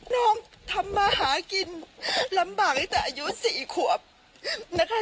น้องทำมาหากินลำบากตั้งแต่อายุ๔ขวบนะคะ